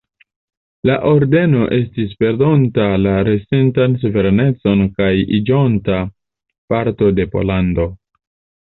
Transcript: La Ordeno estis perdonta la restintan suverenecon kaj iĝonta parto de Pollando.